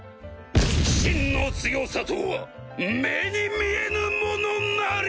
真の強さとは目に見えぬものなり！